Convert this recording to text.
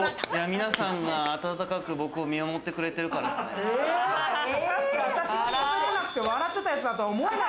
皆さんが温かく僕を見守ってくれてるからっすね。